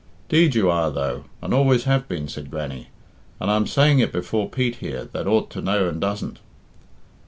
"'Deed you are, though, and always have been," said Grannie, "and I'm saying it before Pete here, that ought to know and doesn't."